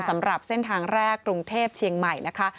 สำหรับเส้นทางแรกกรุงเทพเชียงใหม่นะคะ